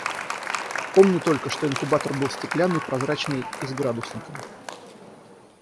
Помню только, что инкубатор был стеклянный, прозрачный и с градусником.